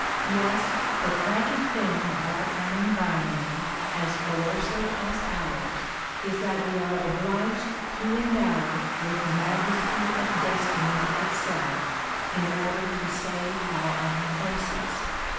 Yes, the tragic thing about an environment as coercive as ours is that we are obliged to endow it with the majesty of destiny itself in order to save our own faces